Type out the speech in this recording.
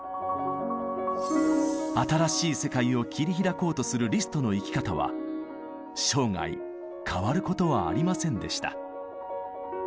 新しい世界を切り開こうとするリストの生き方は生涯変わることはありませんでした。